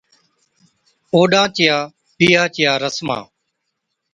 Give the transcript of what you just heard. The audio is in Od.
اوڏان چِيا بِيھا چِيا رسما